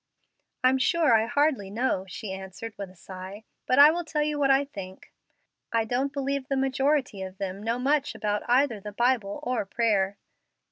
"I'm sure I hardly know," she answered, with a sigh; "but I will tell you what I think. I don't believe the majority of them know much about either the Bible or prayer.